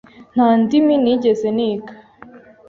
Nta ndimi nigeze niga.